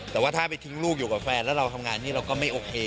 แต่ว่าถ้าไปทิ้งลูกอยู่กับแฟนแล้วเราทำงานนี่เราก็ไม่โอเค